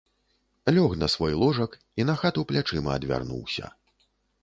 Лёг на свой ложак і на хату плячыма адвярнуўся.